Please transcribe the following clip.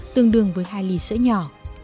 tương đương với hai lì sữa nhỏ